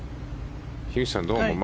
樋口さん、どう思う？